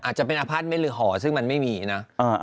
อาจจะเป็นอพาร์ทเม็ดหรือหอซึ่งมันไม่มีนะ